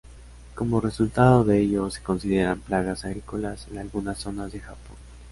Como resultado de ello, se consideran plagas agrícolas en algunas zonas de Japón.